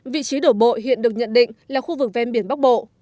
vị trí đổ bộ hiện được nhận định là khu vực ven biển bắc bộ